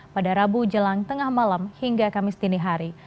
pada rabu jelang tengah malam hingga kamis tinihari